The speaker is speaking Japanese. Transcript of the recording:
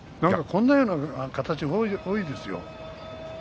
こんなような形が多いですよ。